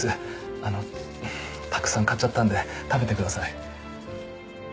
あのたくさん買っちゃったんで食べてください。